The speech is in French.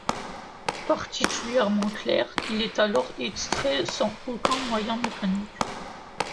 Particulièrement clair, il est alors extrait sans aucun moyen mécanique.